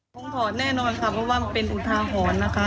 ถอดแน่นอนค่ะเพราะว่ามันเป็นอุทาหรณ์นะคะ